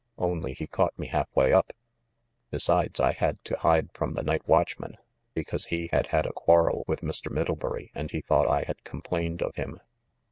Only, he caught me half way up. Besides, I had to hide from the night watchman, because he had had a quarrel with Mr. Middlebury, and he thought I had complained of him."